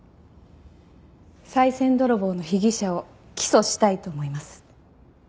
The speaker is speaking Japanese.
さい銭泥棒の被疑者を起訴したいと思います。